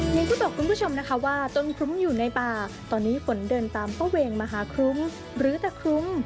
อย่างที่บอกคุณผู้ชมนะคะว่าต้นคลุ้มอยู่ในป่าตอนนี้ฝนเดินตามป้าเวงมหาคลุ้งหรือตะครุ้ง